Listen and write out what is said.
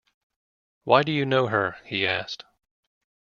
“Why, do you know her?” he asked.